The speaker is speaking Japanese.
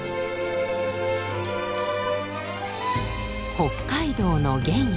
北海道の原野。